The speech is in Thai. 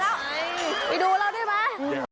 ไปดูแล้วดิมา